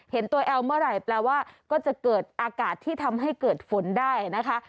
เห็นตัวแอลเมื่อไหร่แปลว่าก็จะเกิดอากาศที่ทำให้เกิดฝนได้นะคะ